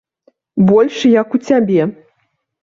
Больш як у цябе.